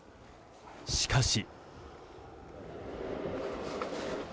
しかし。